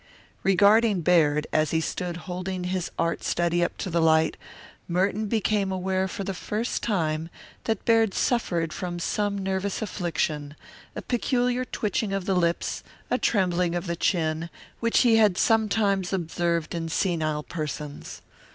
Regarding Baird, as he stood holding this art study up to the light, Merton became aware for the first time that Baird suffered from some nervous affliction, a peculiar twitching of the lips, a trembling of the chin, which he had sometimes observed in senile persons.